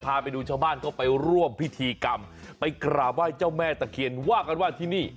พาไปดูชาวบ้านก็ไปร่วมพิธีกรรมไปกราบไหว้เจ้าแม่ตะเคียนว่ากันว่าที่นี่